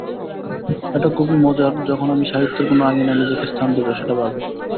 এটা খুবই মজার, যখন আমি সাহিত্যের কোনো আঙিনায় নিজেকে স্থান দেব, সেটা ভাবি।